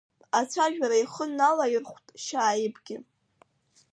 Ацәажәара ихы налаирхәт шьааибгьы.